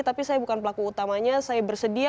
tapi saya bukan pelaku utamanya saya bersedia